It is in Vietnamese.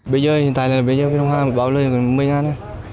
bây giờ hiện tại là bây giờ báo lên một mươi ngàn